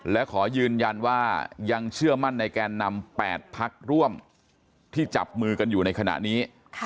และขอยืนยันว่ายังเชื่อมั่นในแกนนำ๘พักร่วมที่จับมือกันอยู่ในขณะนี้